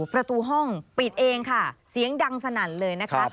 ประตูห้องปิดเองค่ะเสียงดังสนั่นเลยนะคะ